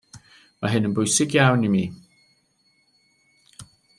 Mae hyn yn bwysig iawn i mi.